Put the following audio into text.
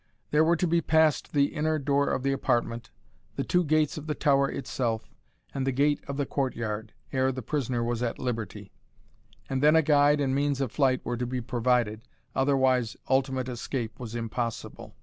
There were to be passed the inner door of the apartment, the two gates of the tower itself, and the gate of the court yard, ere the prisoner was at liberty; and then a guide and means of flight were to be provided, otherwise ultimate escape was impossible.